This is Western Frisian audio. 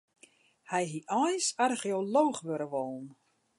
Hy hie eins archeolooch wurde wollen.